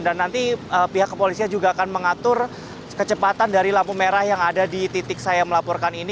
dan nanti pihak kepolisian juga akan mengatur kecepatan dari lampu merah yang ada di titik saya melaporkan ini